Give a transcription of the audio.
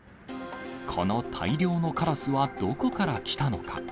この大量のカラスは、どこから来たのか。